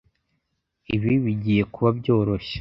Ibi bigiye kuba byoroshye